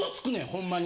ほんまに。